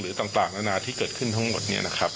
ต่างนานาที่เกิดขึ้นทั้งหมดเนี่ยนะครับ